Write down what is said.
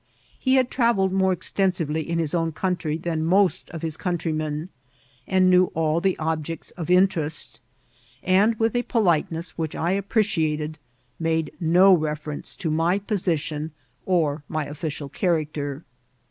He had travelled more ex tensively in his own country than most of his country men, and knew all the objects o( interest ; and with a politeness which I appreciated, made no reference to my position or my official character.